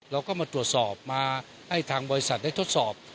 เราก็มาตรวจสอบมาให้ทางบริษัทได้ทดสอบ